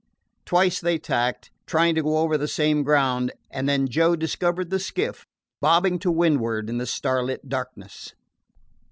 Twice they tacked, trying to go over the same ground; and then Joe discovered the skiff bobbing to windward in the star lit darkness.